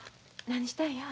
何したんや？